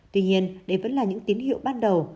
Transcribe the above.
tuy nhiên đây vẫn là những tín hiệu ban đầu